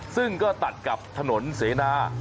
ซึ่งก็ตัดกับถนนเสนา